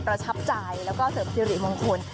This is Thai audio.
ประชับจ่ายแล้วก็เสิร์ฟทีริมงคล